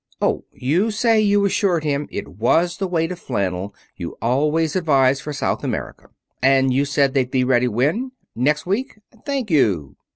Oh, you say you assured him it was the weight of flannel you always advise for South America. And you said they'd be ready when? Next week? Thank you."